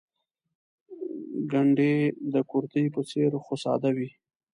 ګنډۍ د کورتۍ په څېر خو ساده وي.